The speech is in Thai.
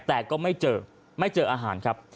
แต่ก็ไม่เจอไม่เจออาหารครับ